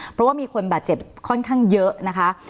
เพราะว่ามีคนบาดเจ็บค่อนข้างเยอะนะคะ